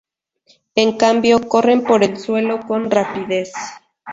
En cambio, corren por el suelo con rapidez.